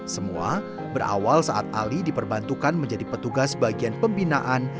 semua berawal saat ali diperbantukan menjadi petugas bagian pembinaan